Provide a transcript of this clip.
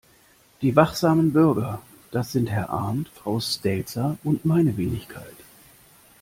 Die wachsamen Bürger, das sind Herr Arndt, Frau Stelzer und meine Wenigkeit.